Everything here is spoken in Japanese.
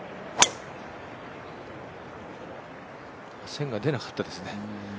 線が出なかったですね。